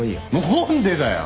何でだよ！？